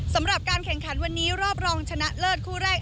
สำหรับการแข่งขันวันนี้รอบรองชนะเลิศคู่แรก